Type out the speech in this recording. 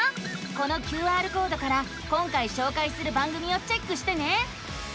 このＱＲコードから今回しょうかいする番組をチェックしてね。